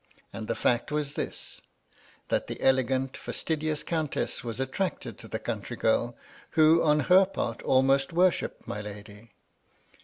And the fact was this :— ^that the elegant, fastidious Countess was attracted to the country girl, who on her part almost worshipped my lady.